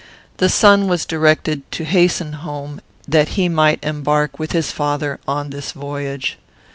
The son was directed to hasten home, that he might embark, with his father, on this voyage.